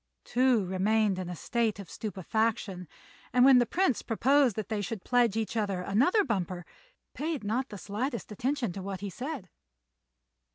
Tou remained in a state of stupefaction, and, when the Prince proposed that they should pledge each other in another bumper, paid not the slightest attention to what he said.